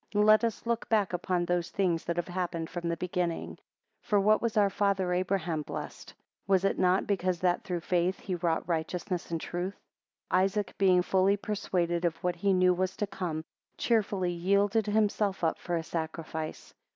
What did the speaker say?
11 Let us look back upon those things that have happened from the beginning. 12 For what was our Father Abraham blessed? Was it not because that through faith he wrought righteousness and truth? 13 Isaac being fully persuaded of what he knew was to come, cheerfully yielded himself up for a sacrifice.